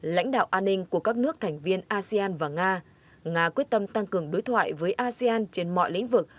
lãnh đạo an ninh của các nước thành viên asean và nga nga quyết tâm tăng cường đối thoại với asean trên mọi lĩnh vực